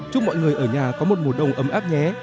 chúc mọi người ở nhà có một mùa đông ấm áp nhé